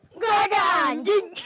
enggak ada anjing